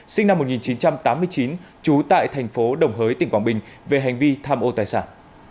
sinh năm một nghìn chín trăm tám mươi chín trú tại thành phố đồng hới tỉnh quảng bình về hành vi tham ô tài sản